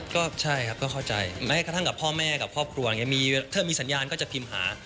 ก็ใช่ครับก็เข้าใจแม้กระทั่งกับพ่อแม่กับครอบครัวอย่างนี้ถ้ามีสัญญาณก็จะพิมพ์หา